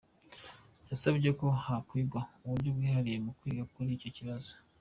Yasabye ko hakwigwa uburyo bwihariye bwo kwiga kuri icyo kibazo.